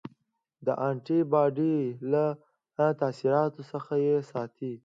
د انټي باډي له تاثیراتو څخه یې ساتي.